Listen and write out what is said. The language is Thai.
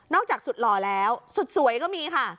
จากสุดหล่อแล้วสุดสวยก็มีค่ะ